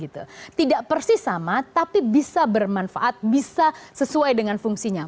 tidak persis sama tapi bisa bermanfaat bisa sesuai dengan fungsinya